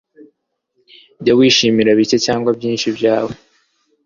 jya wishimira bike cyangwa byinshi byawe